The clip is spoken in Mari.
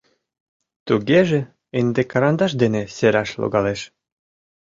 Тугеже ынде карандаш дене сераш логалеш.